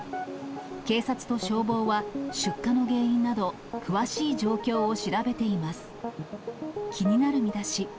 警察と消防は出火の原因など、詳しい状況を調べています。